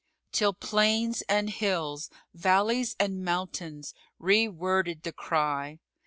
—till plains and hills, valleys and mountains re worded the cry.